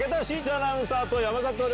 アナウンサーと山里亮太さん。